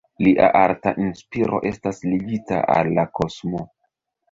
Lia arta inspiro estas ligita al la kosmo.